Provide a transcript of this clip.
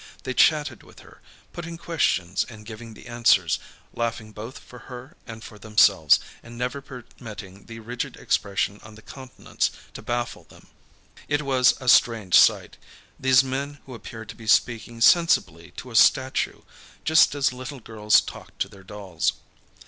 They chatted with her, putting questions and giving the answers, laughing both for her and for themselves, and never permitting the rigid expression on the countenance to baffle them. It was a strange sight: these men who appeared to be speaking sensibly to a statue, just as little girls talk to their dolls.